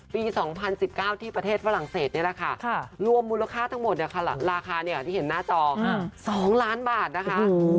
ปี๒๐๑๙ที่ประเทศฝรั่งเศสนี่แหละค่ะรวมมูลค่าทั้งหมดราคาที่เห็นหน้าจอ๒ล้านบาทนะคะ